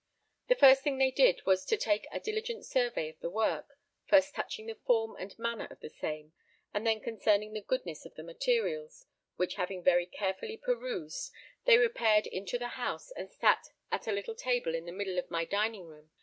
The first thing they did was to take a diligent survey of the work, first touching the form and manner of the same, and then concerning the goodness of the materials; which having very carefully perused, they repaired into the house and sat at a little table in the middle of my dining room.